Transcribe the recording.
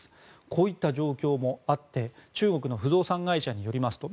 こういった状況もあって中国の不動産会社によりますと